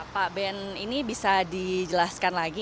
pak ben ini bisa dijelaskan lagi